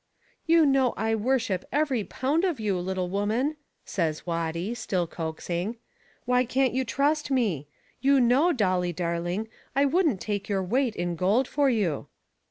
"You know I worship every pound of you, little woman," says Watty, still coaxing. "Why can't you trust me? You know, Dolly, darling, I wouldn't take your weight in gold for you."